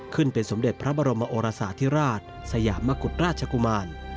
ขึ้นเป็นสมเด็จพระบรมโอรสาธิราชสยามมกุฎราชกุมาร